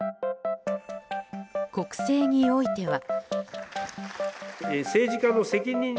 国政においては。